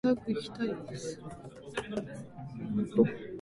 この日記には、相当鴨川の美を叙述したものがあります